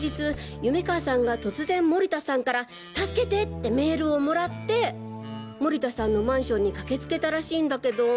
夢川さんが突然盛田さんから「助けて」ってメールをもらって盛田さんのマンションに駆けつけたらしいんだけど。